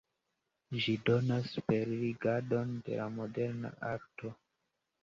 Ĝi donas superrigardon de la moderna arto.